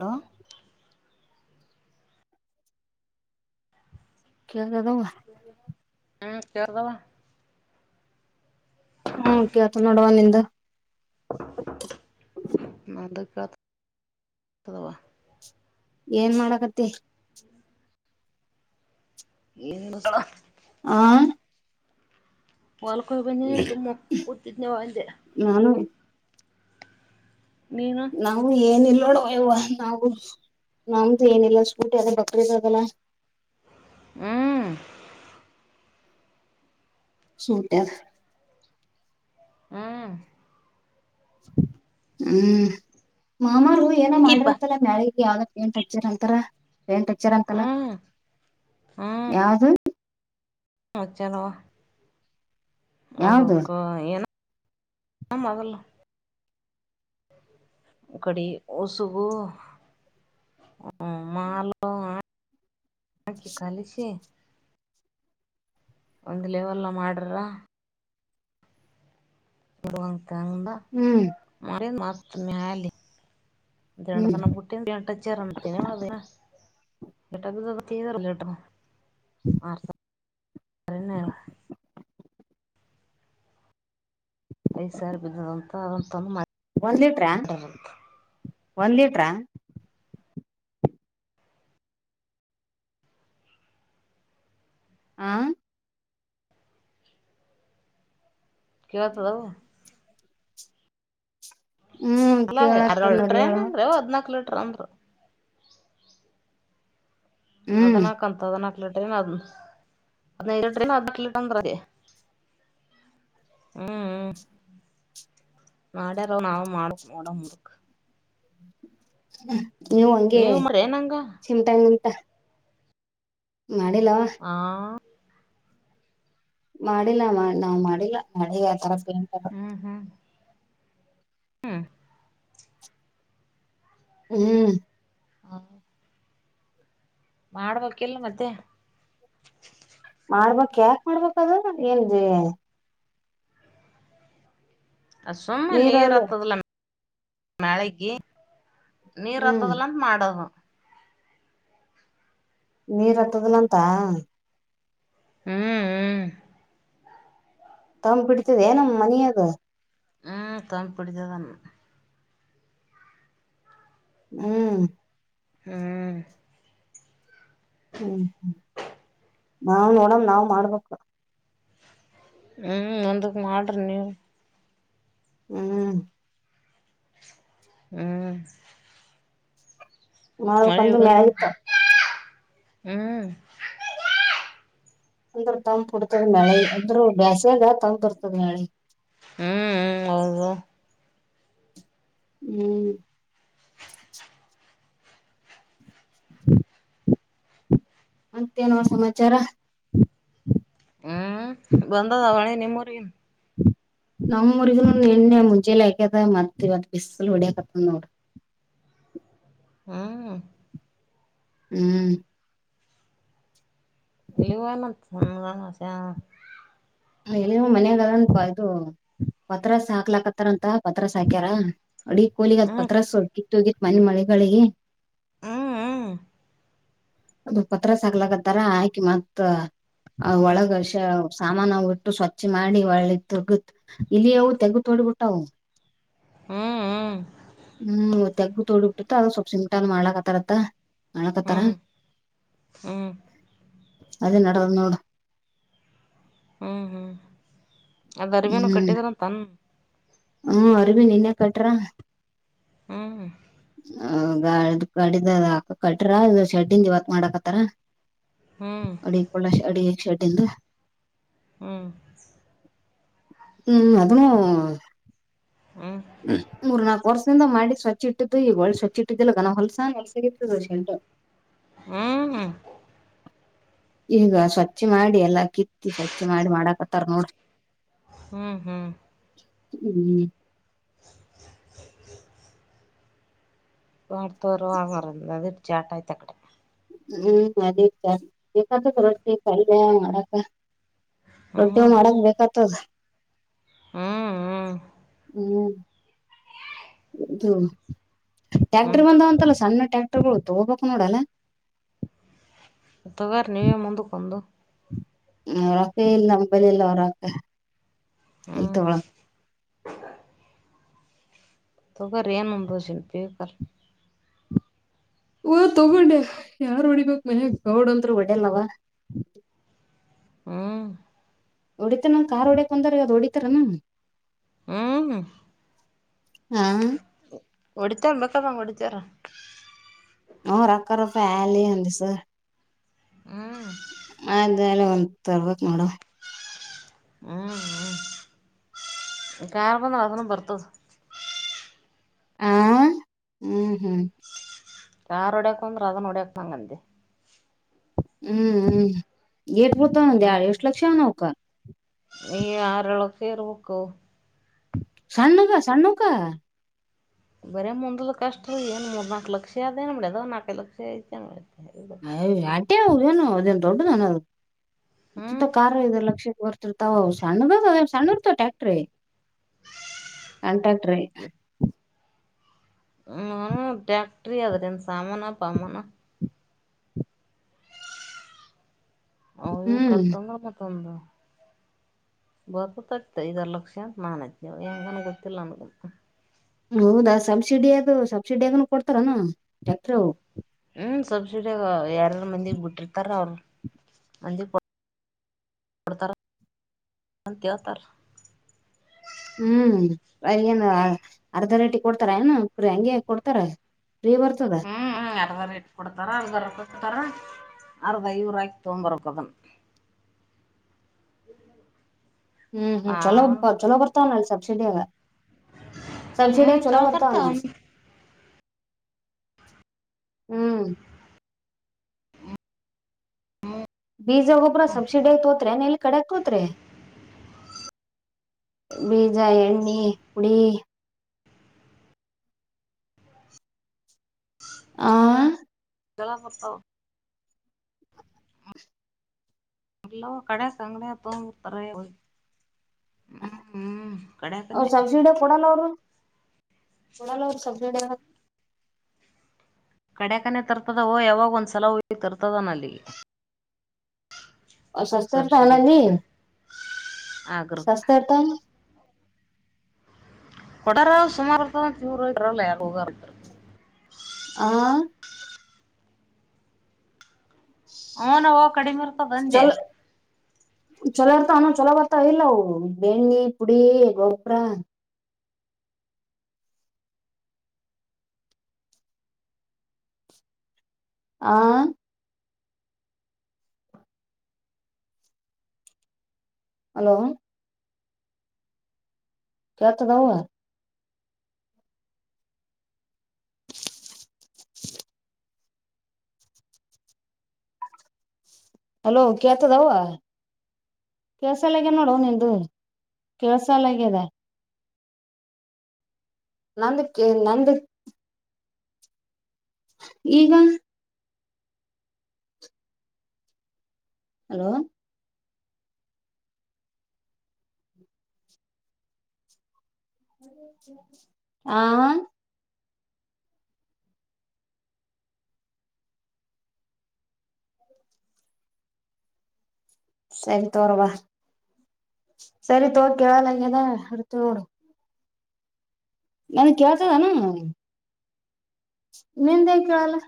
Hello ಕದ ಹ್ಮ್ ಸೇರ್ದಾವ ಹ್ಮಕತ ನೋಡುವ ನಿಂದ ಅದಕ್ಕವಾ ಏನ್ ಮಾಡಕತ್ತ ಏನನು ಆ ಹೊಲ್ಕಯಿ ಬನ್ನಿ ಸುಮ್ಮ ಕೂತಿದ್ನ ಒ ಅಂದೆ ನಾನು ನೀನು ನಾವು ಏನಿಲ್ಲ ನೋಡುವವ ನಾವು ನಮ್ದು ಏನಿಲ್ಲ ಸ್ಕೂಟಿ ಅದೇ ಬಕ್ರಿದದಲ್ಲ ಹ್ಮ ಸೂಟರ್ ಹ್ಮ ಹ್ಮ್ ಮಾಮಾರ ಏನೋ ಇಪ್ಪ ಮಾಡಿರತ್ತಲ್ಲ ಮಳಿಗೆ ಯಾವ್ದ ಪೇಂಟ್ ಹೆಚ್ಚರ್ ಅಂತಾರ ಪೇಂಟ್ ಹೆಚ್ಚರ್ ಅಂತಲ್ಲ ಹ್ಮ್ ಯಾವ್ದ ಹ ಚಲೋ. ಯಾವ್ದು ಅದುಕ್ಕಏ ಮೊದಲು. ಒಡಿ ಉಸುಗು ಹ ಮಾಲ. ಹಾಗಕ ಕಾಲಸ. ಒಂದ್ ಲೆವಲ್ ಮಾಡ್ರ. ಹೋ ಹಂಗ ಹ್ಮ್ ಮನೇಲಿ ಮೇಲಿ. ದಂಟ ಹ್ಮ್ ತನ ಬೂಟೆ ದಟ ಚರ್ಮತಿನೆ ಮಾಡದ. ಟಪ್ಪತ್ತರಟ ಆ. ಐದು ಸಾರಿ ಬಿದ್ದಂತ ಅದಂತಾನ ಮಾಡ. ಒಂದ್ ಲಿಟ್ರಾ ಒಂದ್ ಲಿಟ್ರಾ. ಹ. [unintelligible] ಹ್ಮ್ ಅಲ್ಲ ಅರ್ ಕೇಳಾಗ್ತದ ಲೀಟ್ರ ನೋಡಿ ಹೇಳವ ಏನಂದ್ರ ಹದ್ನಾಕ್ ಲೀಟರ್ ಅಂದ್ರ. ಹಾಧ ಹ್ಮ್ ನಾಲ್ಕು ಅಂಥ ಹಾಧನಾಲ್ಕೂ. [unintelligible] ಹ್ಮ್ ಹ್ಮ್. ನಾಡ್ಯಾರೋ ನಾವ ಮಾಡಕ್ ನೋಡ ಮುದಕ್. ನೀವು ಹಂಗೆ ನೀವ್ ಮಾಡ್ಯೇನ್ ಹಂಗ ಚಮಟಾ ನಿಂತಾ. ಮಾಡಿಲ್ಲವಾ. ಆ ಮಾಡಿಲ್ಲ ನಾವ್ ಮಾಡಿಲ್ಲಳ ಆ ತರ. ಹ್ಮ್ ಹ್ಮ್. ಹ್ಮ್ ಹ್ಮ್. ಮತ್ತ್. ಮಾಡ್ಬೇಕಲ್ ಮತ್ತೆ. ಮಾಡಬೇಕು ಯಾಕ್ ಮಾಡಬೇಕು ಅದು. ಅ ಸುಮ್ಮನೆ ನೀರ ನೀರ್ ಆತದಲ್ಲ ಮಳಕ. ನೀರ್ ಹ್ಮ್ ಹತ್ತದಲ ಅಂತ ಮಾಡೋದು. ನೀರ್ ಹತ್ತದಿಲ್ಲ ಅಂತ. ಹ್ಮ್ ಹ್ಮ್. ತಂದು ಬಿಡ್ತಿದೀಯ ಮನೆಯಾಗ. ಹ್ಮ್ ಕಪಡಿಿತಾನ. ಹ್ಮ್. ಹ್ಮ್. ಹ್ಮ್ ಹ್ಮ್ ನಾವ್ ನೋಡಣ ನಾವ್ ಮಾಡ್ಬೇಕು. ಹ್ಮಞ ಒಂದಕ್ಕೆ ಮಾಡರಿಿ ನೀವು. ಹ್ಮ್. ಹ್ಮ್. ಮಳೆ ಮಾಡ್ಬೇಕಂದ್ರ ಇಂದು ಮ್ಯಾಗಿತ್ತ ಹ್ಮ್. ಅಂದ್ರ ತಂ ಕುಡ್ತದ ಮಳೆ ಅಂದ್ರರು ಬ್ಯಾಸ್ಯದ ತಂಗ ಬರ್ತದ ಮಳೆ. ಹ್ಮ್ ಹೌದು. ಹ್ಮ್. ಹ್ಮ [unintelligible] ಅಂತೇನೋ ಸಮಾಚಾರ. ಹ್ಮ್ ಬಂದದಾವಣಿ ನಿಮ್ಮೂರಿನ್. ನಮೂರಿಗ ಎಣ್ಣೆ ಮುಂಜೆಲಿ ಆಾಕದ ಮತ್ತ ಇವತ್ತು ಬಿಸ್ಲ್ ಹೊಡಿಯಕತ್ತ ನೋಡ್ರಿ. ಹಾ. ಹ್ಮ್. ಎಳವಾನ ಸಣಸೆ. ಹ ಎಲ್ಲಿ ಮನ್ಯಾಗಲ್ಲ ಉಂಟುಯದು. ಪತ್ರ ಸಾಾಕ್ಲಾಕ್ತ್ತಾರಂತ ಪತ್ರಸ್ ಸಾಾಕ್ಯಾರ. ಅಡಿ ಕೋಲಿಗ ಅ ಪತ್ರ ಸವಲ್ ಕಿತ್ತು ಹೋಗಿತ್ ಮನೆ ಮಳೆಗಳಿಗೆ ಹಾ ಹಾ ಅದು ಪತ್ರ ಸಾಕ್ಲಕತ್ತಾರ ಆಕಿ ಮತ್ತ ಆ ಹ್ಮ್ ಹ್ಮ್ ಒಳಗಷ ಸಾಮಾನ ಬಿಟ್ಟು ಸ್ವಚ್ಛ ಮಾಡಿ ಒಳ್ಳಿ ತೆಗತ್ ಇಲ್ಲಿ ಅವು ತೆಗತ್ ಹೊಡ್ಬಿಟ್ಟಾವ ಹ್ಮ್ ಹ್ಮ್ ಹ್ಮ್ ತೆಗ್ಗು ತೊಳಿಬ ಬಿಟ್ಟಿತ್ತ ಅದದು ಸ್ವಲ್ಪ್ ಸಿಮಟಾ ಮಾಡ್ಲಕತಾರತ್ತ ಹ್ಮ್ ಹ್ಮ್ ಅದ ನ ನೋಡ ಹ್ಮ್ ಹ್ಮ್ ಅದ ಅರಿಮೇನು ಹ್ಮ್ ಕಟ್ಟಿದ್ರಂತನ್ ಹ್ಮ್ ಅರವಿಂದ್ ಇನ್ನ ಕಟ್ರ ಹ್ಮ್ ಆ ಗಾ ಗಡಿದ ಕಟ್ರ ಇ ಶೆಡ್ಡನ್ ಇವತ್ ಮಾಡಾಕತ್ತಾರ ಹ್ಮ್ ಅ ಪಳಾಶ ಅ ಹೆ ಶೆಡಿಂದಾ ಹ್ಮ್ ಹ್ಮ್ ಅದೂ ಹ್ಮ್ ಮೂರು ನಾಲ್ಕು ವರ್ಷ ಮಾಡಿ ಸ್ವಚ್ಛ ಇಟ್ಟಿದ್ದು ಈಗ ಒಳ್ಳೆ ಸ್ವಚ್ಛ ಇಟ್ಟಿದಿಲ್ಲ ಗನ ಹೊಲ್ಸಲ್ಸಗತದೆಟು ಹ್ಮ್ ಹ್ಮ ಈಗ ಸ್ವಚ್ಛ ಮಾಡಿ ಎಲ್ಲಾ ಕಿತ್ತಿ ಸ್ವಚ್ಛ ಮಾಡಿ ಮಾಡಾಕ್ತ್ತಾರ ನೋಡ್ರಿ ಹ್ಮ್ ಹ್ಮ್ ಹ್ಮ್ ಮಾಡಡ್ತೋರು ಆಗರಂದ ಅದು ಜಾಟ ಆಯ್ತ ಅ ಕಡೆ ಹ್ಮ್ ಅದ ಚ ದಾ ಮಾಡಕ ರೊಟ್ಟಿ ಹ್ಮ್ ಮಾಡಕ್ ಬೇಕತದ ಹ್ಮ್ ಹ್ಮ್ ಹ್ಮ್ ಹೌದು ಹ್ಮ್ ಟ್ಯಾಕ್ಟರ್ ಬಂದಾವಂತಲ್ಲ ಸಣ್ಣ ಟ್ಯಾಕ್ಟರ್ಗಳು ತಗೋಬೇಕು ನೋಡಲ್ಲ ತಗೋರಿ ನೀವೇ ಮುಂದಕ್ಕೊಂದು ಅವರಕ್ಕ ಇಲ್ಲ ಅಂಬಲಿಲ್ಲ ರ ಇ ಹ್ಮ್ ತೋಳ ತಗ ರ ಏನುಂಬಸನ್ ಪಿಗ ಹಓ ತಗೊಂಡೆ ಯಾರ್ ಹೊಡಿಬೇಕಕ್ ಮನ್ ಗೌಡ್ಂದೂ ಹೊಡಲ್ಲವ ಹ್ಮ್ ಹೊಡಿತ ಕಾರ್ ಹೊಡಕ್ ಬಂದಾರ ಅದ್ ಹೊಡಿತಾರನಾ ಹ್ಮ ಹ್ಮ ಕುಡಿತಂಬಕ್ಕಮ್ಮ ಕುಡತರ ಹ ರಕ್ಕರಫೆಲ ಅ ಸರ್ ಹ್ಮ ಅ ಅಲ್ಲ ಒಂದ್ ತರ್ಬೇಕಕ್ ನೋಡುವ ಹ್ಮ್ ಹ್ಮ ಕಾರಾರ್ ಬಂದಾಸನ ಬರ್ತದ ಹ ಹ್ಮ್ ಹ್ಮ್ ಯಾರುಡೇಕಂದ್ರ ರನೋಡಕ್ತಂಗ ಅಂತೆ ಹ್ಮ್ ಹ್ಮ್ ಏಟ್ ಪಡ್ತಾವ ನ ಎಡು ಎಷ್ಟು ಲಕ್ಷ ನಾವಕ ನೀ ಆರಳ ಕೇರ್ ವಕ್ಕು ಸಣ್ಣ ನಕ ಸಣ್ಣ ನೌಕ ಬರೇ ಮುಂದಲು ಕಷ್ಟ ರೀ ಏನ್ ಮೂರ್ ನಾಕಕ್ ಲಕ್ಷ ಅದೇನ್ ಮಾಡಡ ಅ್ ನಾಕೈ ಲಕ್ಷ ಐತೆನ್ ಮಾಡ್ಯದ ಅಯಾಟಿ ಏನು ಅದೇನ್ ದೊಡ್ಡ ಹ್ಮ್ ನಾನಂತ ಖ ಇ ಲಕ್ಷಕ್ಕ ವರ್ಷ ಸಣ್ಣ ಸಣ್ಣತ ಟ್ಯಾಕ್ಟ್ರ ಅಂಟಟ್ರಿ ಹ್ಮ್ ಟ್ಯಾಟ್ರಿ ಆದ್ರೆನ್ ಸಾಮಾನ ಪಮಾನ. ಅವ್ನು ಹ್ಮ್ ಕಲ್ ತೊಂದ್ರನೊ ತಂದ. ಬರ್ತತಂತೆ ಐದಾರ್ ಲಕ್ಷಂತ ನಾನ್ ಅತಿವ್ ಹೆಂಗನ್ ಗೊತ್ತಿಲ್ಲ ನನ್ಗ. ಹೌದಾ ಸಬ್ಸಿಡಿ ಅದು ಸಬ್ಸಿಡಿಯಗನ ಕೊಡ್ತಾರಾನ ಟ್ಯಾಕ್ಟ್ರ. ಹ್ಮ ಸಬ್ಸಿಡಿಯಗ್ ಯಾರಾರ್ ಮಂದಿಗ್ ಬಿಟ್ಟಿರ್ತಾರ್ ಅವ್ರ ಮಂದಿ ತಾರ ತ್ಯತಾರ. ಹ್ಮ್ ಏನು ಅರ್ಧ ರೇಟಿಗ್ ಕೊಡ್ತಾರೆನು ಪ್ರ ಹಂಗೆ ಕೊಡ್ತಾರ. ಫ್ರೀ ಬರ್ತದ ಹ್ಮ್ ಹ್ಮ್ ಅರ್ಧ ರೆಟಿಗ್ ಕೊಡ್ತಾರ ಅರ್ದದರ್ ಪರ ಅರ್ದ ಇವೂರ್ ಆಯ್ಕ್ ತೊಂಬರ್ಕ್ಕದನ್. [unintelligible] ಹ್ಮ್ ಹ್ಮ್ ಚಲೋಪ ಚಲೋ ಬರ್ತಾವಲ್ಲ ಸಬ್ಸಿಡಿಯಾಗ. ಹ್ಮ್ ಸಬ್ಸಿಡಿಯಗ್ ಚಲೋ ಬರ್ತವ್ ಅನಾ. ಬರ್ತಾವ ಹ್ಮ್ ಬೀಜಾಗೂಬ್ರ ಸಬ್ಸಿಡಿಯಾಗ್ ತಗೋತ್ರಿಯೆನ್ ಅಲ್ ಕಡೆಗ್ ತೊತ್ರಿ. ಬೀಜ ಎಣ್ಣಿ ಕುಡಿ. ಆ ಜಲಪತವ್. ಎಲ್ಲೊ ಕಡೆ ಸಂಗ್ಡೆ ತೋಂಬ್ ತ್ತರೆವ್. ಅವ್ರ್ ಸಬ್ಸಿಡಿ ಕೊಡಲ್ಲ ಅವ್ರು. ಕೊಡಲ್ಲ ಅವ್ರ್ ಸಬ್ಸಿಡಿಯಾಕ್ ಕಡೆಕನೆ ತರ್ತದವು ಯಾವಾಗ್ ಒಂದ್ಸಲ ಹೊಯ್ ತರ್ತದನಲ್ಲಿ. ಅ ಸಸ್ತರ್ತನಲ್ಲಿ ಆಗ್ರಕ್ ಸಸ್ತೆರ್ತ. ಕೊಡಾರಾವ್ ಸುಮಾರಿತದ ಇವ್ರ್ ಬರಲ್ಲ ಯಾರ್ ಹೋಗಾರ. ಆ ಹುನವ್ವ ಕಡಿಮೆ ಇರ್ತದ್ ಅಂದೆ. ಚಲ ಚಲೋ ಆರ್ತವೆನ್ ಚೊಲೋ ಬರ್ತ ಇಲ್ಲವು ಬೆಣ್ಣಿ ಪುಡಿ ಗೊಬ್ಬರ. ಆ ಹಲೋ ಕೇಳ್ತಾದವ. ಹಲೋ ಕೆತದವ. ಕೆಳ್ಸಲಗೆ ನೋಡುವ್ ನಿಂದು ಕೆಳ್ಸಲಗ್ಯದ. ನಂದ್ ಕೆ ನಂದು. ಈಗ ಹಲೋ ಆ ಸರಿ ತೊಗೊರ್ಬ. ಸರಿ ತೋ ಕೇಳಲ್ಲಂಗ್ಯದ ಹಿಡ್ತ ನೋಡ್. ನನಿಗ್ ಕೇಳ್ತಾದೆನಾ. ನಿಂದೆಂಗ್ ಕೇಳಲ್ಲ.